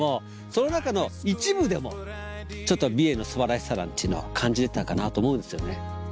その中の一部でもちょっと美瑛の素晴らしさなんていうのは感じれたかなと思うんですよね。